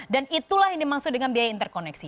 dan itulah yang dimaksud dengan biaya interkoneksi